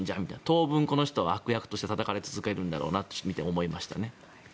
当分この人は悪役としてたたかれ続けるんだろうなと見て思いましたね。